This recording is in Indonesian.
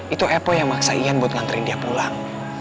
itu apple yang maksa ian buat nganterin dia pulang